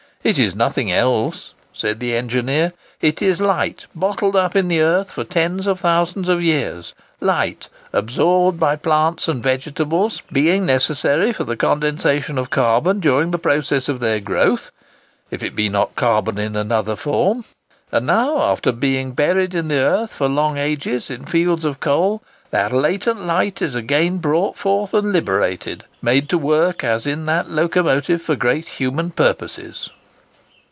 "It is nothing else," said the engineer, "it is light bottled up in the earth for tens of thousands of years,—light, absorbed by plants and vegetables, being necessary for the condensation of carbon during the process of their growth, if it be not carbon in another form,—and now, after being buried in the earth for long ages in fields of coal, that latent light is again brought forth and liberated, made to work as in that locomotive, for great human purposes."